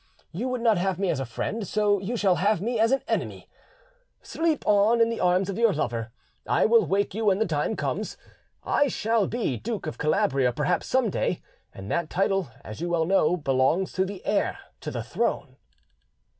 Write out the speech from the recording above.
You would not have me as a friend, so you shall have me as an enemy. Sleep on in the arms of your lover: I will wake you when the time comes. I shall be Duke of Calabria perhaps some day, and that title, as you well know, belongs to the heir to the throne."